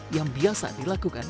yang biasa dilakukan